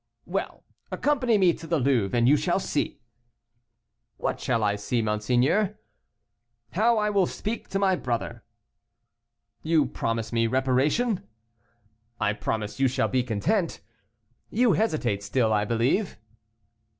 "Well! accompany me to the Louvre, and you shall see." "What shall I see, monseigneur?" "How I will speak to my brother." "You promise me reparation?" "I promise you shall be content. You hesitate still, I believe."